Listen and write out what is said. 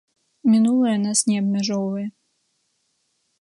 Мінулае нас не абмяжоўвае.